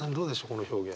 この表現。